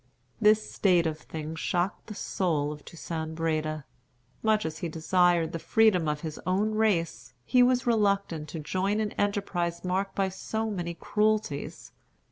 This state of things shocked the soul of Toussaint Breda. Much as he desired the freedom of his own race, he was reluctant to join an enterprise marked by so many cruelties.